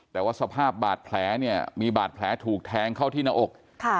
แต่ว่าสภาพบาดแผลเนี่ยมีบาดแผลถูกแทงเข้าที่หน้าอก